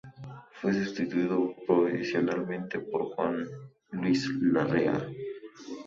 Fue sustituido provisionalmente por Juan Luis Larrea.